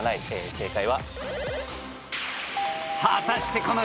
正解は。